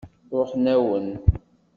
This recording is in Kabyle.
Ṛuḥen-awen.